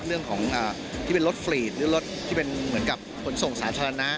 เรื่องของที่เป็นรถฟรีดหรือรถที่เป็นเหมือนกับขนส่งสาธารณะ